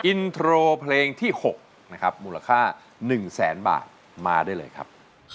อินโทรเพลงที่๖นะครับมูลค่า๑แสนบาทมาได้เลยครับ